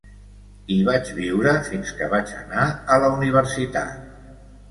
Hi vaig viure fins que vaig anar a la universitat.